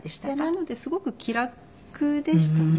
なのですごく気楽でしたね。